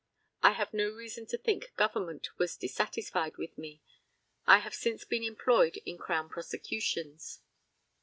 I have no reason to think Government was dissatisfied with me. I have since been employed in Crown prosecutions.